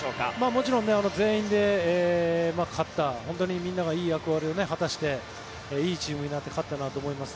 もちろん全員で勝った本当にみんながいい役割を果たしていいチームになって勝ったなと思います。